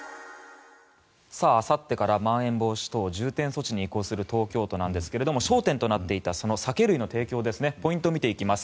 あさってからまん延防止等重点措置に移行する東京都なんですが焦点となっていた酒類の提供ポイント見ていきます。